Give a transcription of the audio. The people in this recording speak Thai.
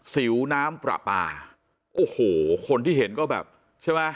สิวน้ำปลาปลาโอ้โหคนที่เห็นก็แบบใช่ไหม